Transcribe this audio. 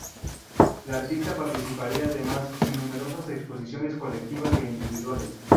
La artista participaría, además, en numerosas exposiciones colectivas e individuales.